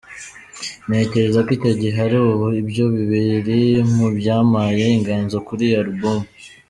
Ntekereza ko icyo gihe ari ubu, ibyo biri mu byampaye inganzo kuri iyi Album.